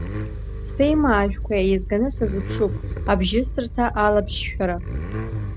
Сеимаажәқәа еизганы сазыԥшуп абжьысырҭа алабжьшәара.